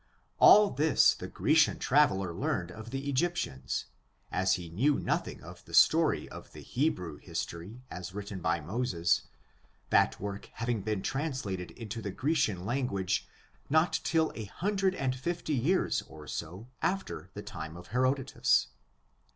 All this the Grecian traveler learned of the Egyptians, as he knew nothing of the story of the Hebrew history, as written by Moses, that work having been translated into the Grecian language not till a hundred and fifty years, or so, after the time of Herodotus.